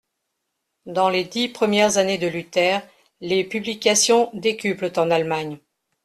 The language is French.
Dans les dix premières années de Luther, les publications décuplent en Allemagne.